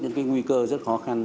những cái nguy cơ rất khó khăn